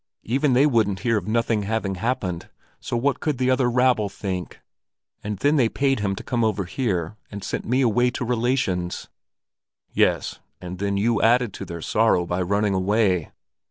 Even they wouldn't hear of nothing having happened, so what could the other rabble think? And then they paid him to come over here, and sent me away to relations." "Yes, and then you added to their sorrow by running away."